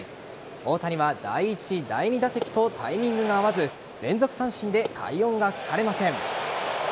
大谷は第１、第２打席とタイミングが合わず連続三振で快音が聞かれません。